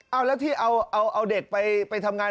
เอาแล้วที่เอาเด็กไปทำงาน